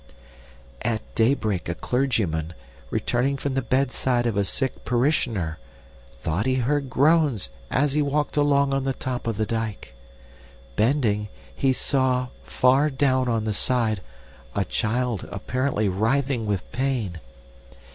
"At daybreak a clergyman, returning from the bedside of a sick parishioner, thought he heard groans as he walked along on the top of the dike. Bending, he saw, far down on the side, a child apparently writhing with pain.